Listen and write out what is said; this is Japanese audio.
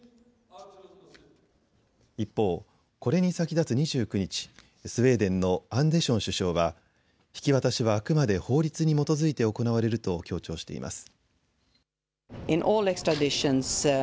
一方、これに先立つ２９日、スウェーデンのアンデション首相は引き渡しはあくまで法律に基づいて行われると強調しています。